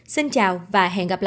xin chào và hẹn gặp lại